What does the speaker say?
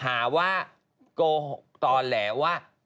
หาว่าโกหกตอนแล้วว่า